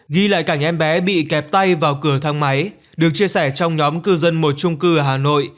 ghi lại cảnh em bé bị kẹp tay vào cửa thang máy được chia sẻ trong nhóm cư dân một trung cư ở hà nội